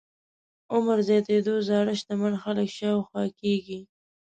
عمر زياتېدو زاړه شتمن خلک شاوخوا کېږي.